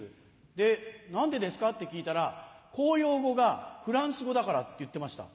で「何でですか？」って聞いたら「公用語がフランス語だから」って言ってました。